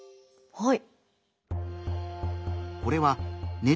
はい。